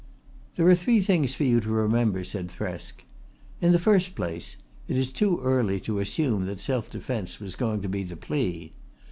"There are three things for you to remember," said Thresk. "In the first place it is too early to assume that self defence was going to be the plea.